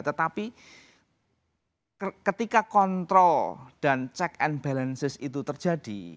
tetapi ketika kontrol dan check and balances itu terjadi